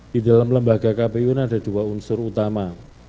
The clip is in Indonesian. di dalam lembaga kpu ini ada dua unsur utama